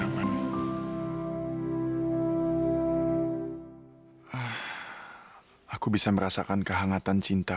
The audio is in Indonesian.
sampai jumpa di video selanjutnya